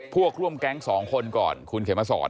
พวกร่วมแก๊งสองคนก่อนคุณเขมสอน